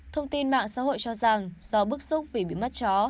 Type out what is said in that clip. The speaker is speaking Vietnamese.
thông tin mạng xã hội cho rằng do bức xúc vì bị mất chó